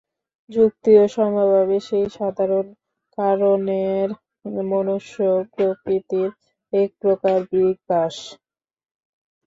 যুক্তিও সমভাবে সেই সাধারণ কারণের, মনুষ্য-প্রকৃতির একপ্রকার বিকাশ।